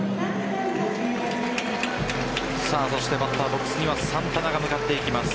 そしてバッターボックスにはサンタナが向かっていきます。